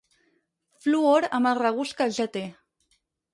Fluor, amb el regust que ja té.